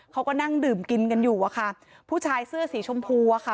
เขาก็นั่งดื่มกินกันอยู่อะค่ะผู้ชายเสื้อสีชมพูอะค่ะ